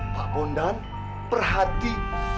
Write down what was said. pak wondan perhati